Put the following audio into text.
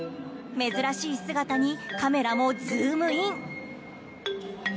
珍しい姿にカメラもズームイン。